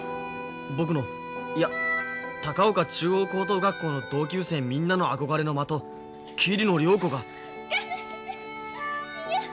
僕のいや高岡中央高等学校の同級生みんなの憧れの的霧野涼子が行かないで！